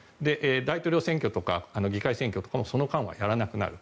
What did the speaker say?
大統領選挙とか議会選挙とかもその間はやらなくなる。